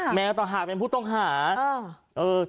ค่ะแมวต้องหาเป็นผู้ต้องหาเออ